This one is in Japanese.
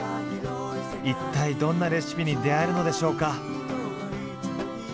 一体どんなレシピに出会えるのでしょうか？